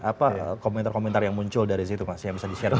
apa komentar komentar yang muncul dari situ mas yang bisa di share